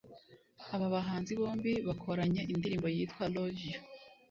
Aba bahanzi bombi bakoranye indirimbo yitwa ‘Love You’